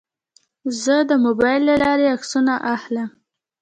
زه د موبایل له لارې عکسونه اخلم.